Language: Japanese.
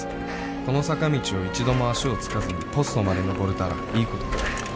この坂道を一度も足をつかずにポストまで上れたらいいことがある